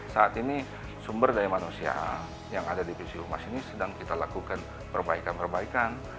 saat ini sumber daya manusia yang ada divisi humas ini sedang kita lakukan perbaikan perbaikan